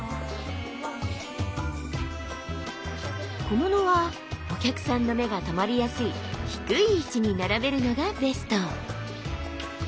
小物はお客さんの目が留まりやすい低い位置に並べるのがベスト。